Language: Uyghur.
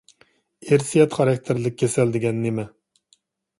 ئىرسىيەت خاراكتېرلىك كېسەل دېگەن نېمە؟